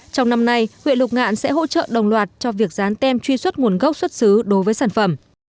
trong năm nay huyện lục ngạn sẽ hỗ trợ đồng loạt cho việc dán tem truy xuất nguồn gốc xuất xứ đối với sản phẩm